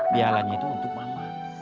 pialanya itu untuk mama